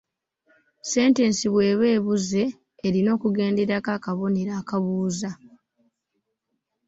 Sentensi bw’eba ebuuza, erina okugendako akabonero akabuuza.